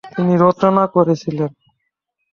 তিনি রচনা করেছিলেন।